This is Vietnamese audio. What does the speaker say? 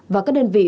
và các đơn vị